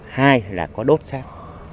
hai là có đốt sát